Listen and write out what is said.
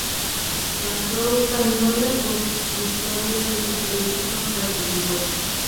Farrow ganó la custodia de sus tres hijos tras el divorcio.